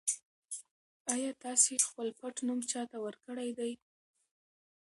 ایا تاسي خپل پټنوم چا ته ورکړی دی؟